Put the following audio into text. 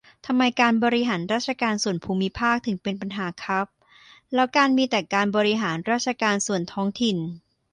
ทำไม การบริหารราชการส่วนภูมิภาค ถึงเป็นปัญหาครับ ? แล้วการมีแต่การบริหารราชการส่วนท้องถิ่น